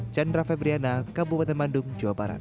chandra febriana kabupaten bandung jawa barat